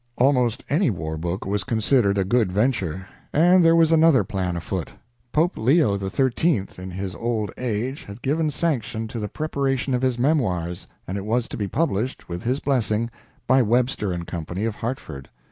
Almost any war book was considered a good venture. And there was another plan afoot. Pope Leo XIII., in his old age, had given sanction to the preparation of his memoirs, and it was to be published, with his blessing, by Webster & Co., of Hartford.